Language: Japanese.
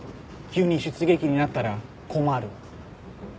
急に出撃になったら困る。